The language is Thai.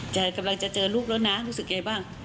กำลังจะเจอลูกแล้วนะรู้สึกไงบ้าง